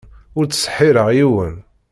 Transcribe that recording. Ur ttseḥḥireɣ yiwen.